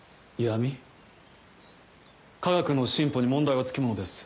科学の進歩に問題は付きものです。